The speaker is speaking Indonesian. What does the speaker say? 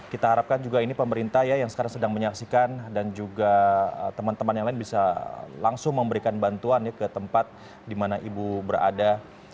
kita harapkan juga ini pemerintah ya yang sekarang sedang menyaksikan dan juga teman teman yang lain bisa langsung memberikan bantuan ke tempat di mana ibu berada